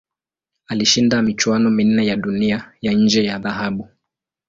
Alishinda michuano minne ya Dunia ya nje ya dhahabu.